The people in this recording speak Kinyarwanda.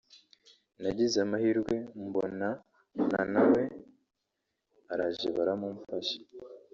nagize amahirwe mbona na we araje baramumfasha